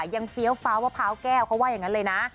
เฟี้ยวฟ้ามะพร้าวแก้วเขาว่าอย่างนั้นเลยนะ